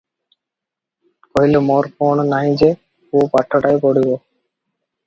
କହିଲେ, "ମୋର କଣ ନାହିଁ ଯେ ପୁଅ ପାଠଟାଏ ପଢ଼ିବ?